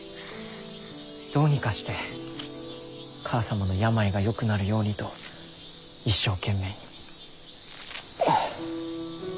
どうにかして母さまの病がよくなるようにと一生懸命に。